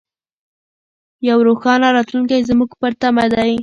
یو روښانه راتلونکی زموږ په تمه دی.